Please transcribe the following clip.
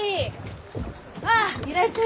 ああいらっしゃいませ！